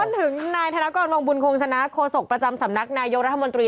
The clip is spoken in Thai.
ร้อนถึงนายธนกรรมบุญคงสนักโศกประจำสำนักนายโยธรัฐมนตรี